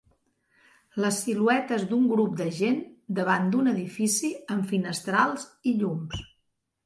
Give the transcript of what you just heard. Les siluetes d'un grup de gent davant d'un edifici amb finestrals i llums.